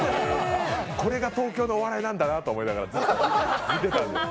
これが東京のお笑いなんだなと思いながら見てたんです。